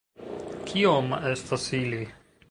Kiom estas ili?